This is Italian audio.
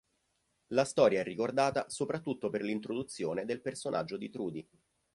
La storia è ricordata soprattutto per l'introduzione del personaggio di Trudy.